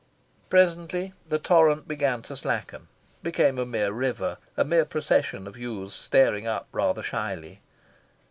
Presently the torrent began to slacken, became a mere river, a mere procession of youths staring up rather shyly.